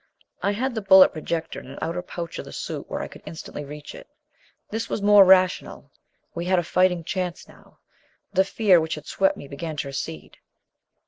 I had the bullet projector in an outer pouch of the suit where I could instantly reach it. This was more rational; we had a fighting chance now. The fear which had swept me began to recede.